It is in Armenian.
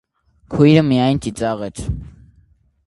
Քույրը միայն ծիծաղեց: